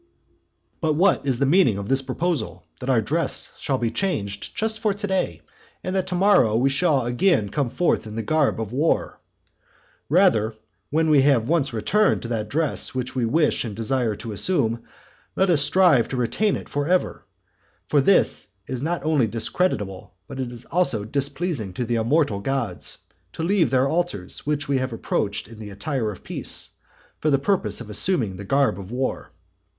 But what is the meaning of this proposal that our dress shall be changed just for to day, and that to morrow we should again come forth in the garb of war? Rather when we have once returned to that dress which we wish and desire to assume, let us strive to retain it for ever; for this is not only discreditable, but it is displeasing also to the immortal gods, to leave their altars, which we have approached in the attire of peace, for the purpose of assuming the garb of war.